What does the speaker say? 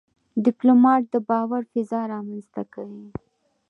ډيپلومات د باور فضا رامنځته کوي.